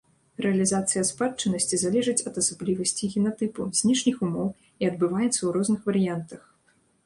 Рэалізацыя спадчыннасці залежыць ад асаблівасцей генатыпу, знешніх умоў і адбываецца ў розных варыянтах.